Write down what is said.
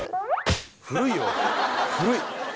古いよ古い。